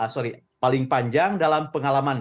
sorry paling panjang dalam pengalaman